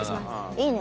「いいね